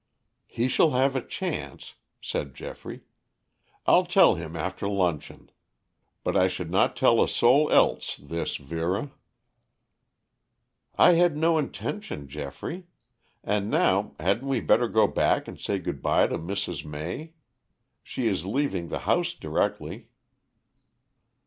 "He shall have a chance," said Geoffrey. "I'll tell him after luncheon. But I should not tell a soul else this, Vera." "I had no intention, Geoffrey. And now, hadn't we better go back and say good bye to Mrs. May. She is leaving the house directly."